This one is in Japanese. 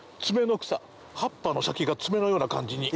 葉っぱの先が爪のような感じに。